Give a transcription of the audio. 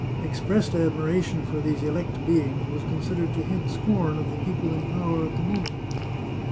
Expressed admiration for these elect beings was considered to hint scorn of the people in power at the moment.